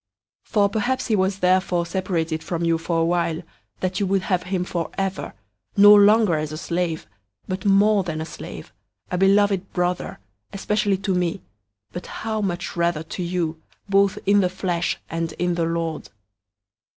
001:015 For perhaps he was therefore separated from you for a while, that you would have him forever, 001:016 no longer as a slave, but more than a slave, a beloved brother, especially to me, but how much rather to you, both in the flesh and in the Lord.